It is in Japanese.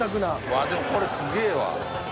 わあでもこれすげぇわ。